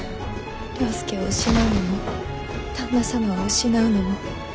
了助を失うのも旦那様を失うのも。